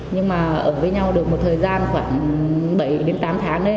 nhưng mà ở với nhau được một thời gian khoảng bảy đến tám tháng đấy